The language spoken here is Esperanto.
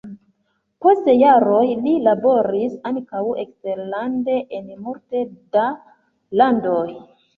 Post jaroj li laboris ankaŭ eksterlande en multe da landoj.